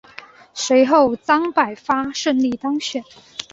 随后张百发顺利当选。